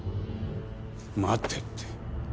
待てって。